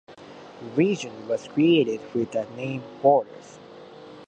The region was created with the name "Borders".